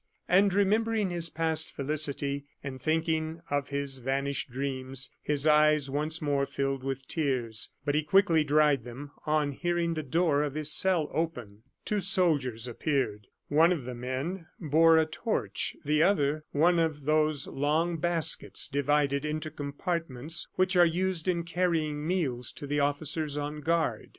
And remembering his past felicity, and thinking of his vanished dreams, his eyes once more filled with tears. But he quickly dried them on hearing the door of his cell open. Two soldiers appeared. One of the men bore a torch, the other, one of those long baskets divided into compartments which are used in carrying meals to the officers on guard.